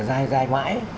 dài dài mãi